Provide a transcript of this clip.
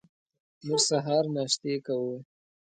موږ سهار ناشتې کوو.